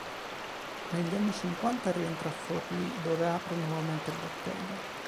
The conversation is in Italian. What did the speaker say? Negli anni Cinquanta, rientra a Forlì, dove apre nuovamente bottega.